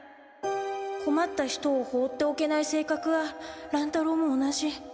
こまった人を放っておけない性格は乱太郎も同じ。